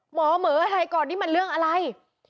หมอเหมืออะไรก่อนนี่มันเรื่องอะไร